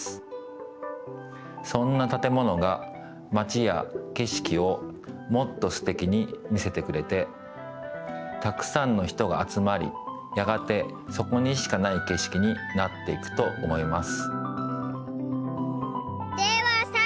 そんなたてものが町やけしきをもっとすてきに見せてくれてたくさんの人があつまりやがてそこにしかないけしきになっていくと思います。